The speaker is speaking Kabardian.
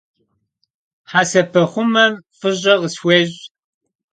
Hesepexhumem f'ış'e khısxuêş'.